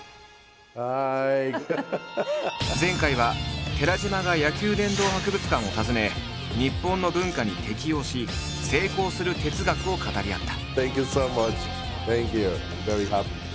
前回は寺島が野球殿堂博物館を訪ね日本の文化に適応し成功する哲学を語り合った。